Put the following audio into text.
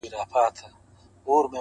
د يوسفي ښکلا له هر نظره نور را اورې!